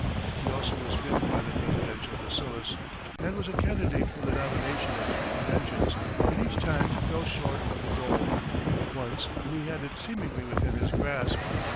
He, also, was bitten by the presidential bacillus, and was a candidate for the nomination at three conventions, but each time fell short of the goal once when he had it seemingly within his grasp.